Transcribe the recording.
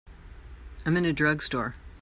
I'm in a drugstore.